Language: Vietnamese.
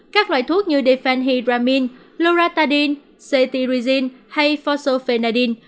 các loại thuốc như defenhydramine loratadine cetirizine hay fosofenadine